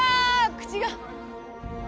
口が。